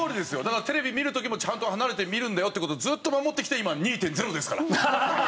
だからテレビ見る時もちゃんと離れて見るんだよって事をずっと守ってきて今２．０ですから。